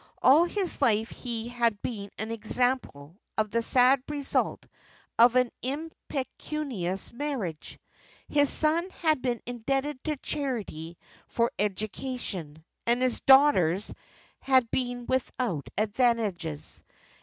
All his life he had been an example of the sad result of an impecunious marriage; his son had been indebted to charity for education, and his daughters had been without advantages.